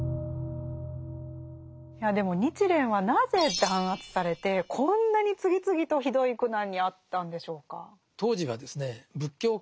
いやでも日蓮はなぜ弾圧されてこんなに次々とひどい苦難にあったんでしょうか。